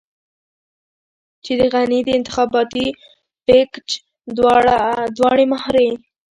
چې د غني د انتخاباتي پېکج دواړې مهرې.